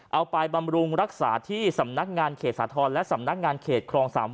บำรุงรักษาที่สำนักงานเขตสาธรณ์และสำนักงานเขตครอง๓๐๐